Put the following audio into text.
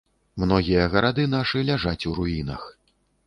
Многія гарады нашы ляжаць у руінах.